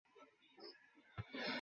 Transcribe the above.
তাকে ফেলে রেখে যেতে পারবো না।